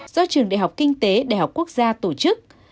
do trường đại học kinh tế đại học quốc gia tổ chức